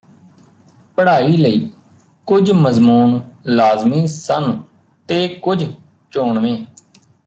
ਪੜ੍ਹਾਈ ਲਈ ਕੁਝ ਮਜ਼ਮੂਨ ਲਾਜ਼ਮੀ ਸਨ ਤੇ ਕੁਝ ਚੋਣਵੇਂ